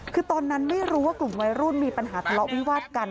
คือตอนนั้นไม่รู้ว่ากลุ่มวัยรุ่นมีปัญหาทะเลาะวิวาดกัน